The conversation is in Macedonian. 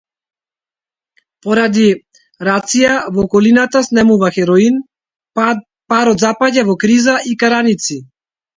Поради рација, во околината снемува хероин, парот запаѓа во криза и караници.